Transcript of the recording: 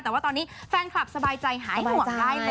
แต่ว่าตอนนี้แฟนคลับสบายใจหายห่วงได้เลย